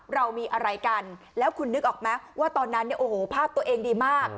เรามีอะไรกันแล้วคุณนึกออกไหมว่าตอนนั้นเนี่ยโอ้โหภาพตัวเองดีมาก